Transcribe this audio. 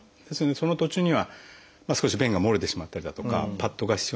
その途中には少し便が漏れてしまったりだとかパッドが必要になったり。